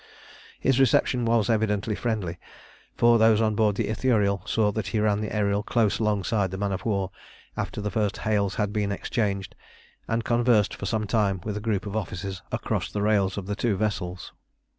His reception was evidently friendly, for those on board the Ithuriel saw that he ran the Ariel close alongside the man of war, after the first hails had been exchanged, and conversed for some time with a group of officers across the rails of the two vessels.